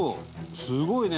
すごいね。